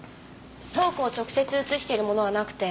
倉庫を直接映しているものはなくて。